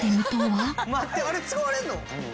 あれ使われるの？」